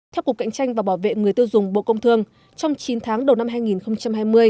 theo cục cạnh tranh và bảo vệ người tiêu dùng bộ công thương trong chín tháng đầu năm hai nghìn hai mươi